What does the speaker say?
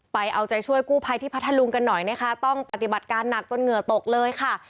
เอาใจช่วยกู้ภัยที่พัทธลุงกันหน่อยนะคะต้องปฏิบัติการหนักจนเหงื่อตกเลยค่ะ